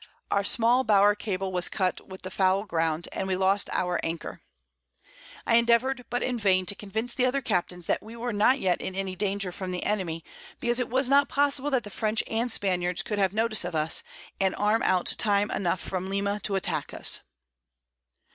Our small Bower Cable was cut with the foul Ground, and we lost our Anchor. I endeavour'd, but in vain, to convince the other Captains that we were not yet in any danger from the Enemy, because it was not possible that the French and Spaniards could have Notice of us, and arm out time enough from Lima to attack us.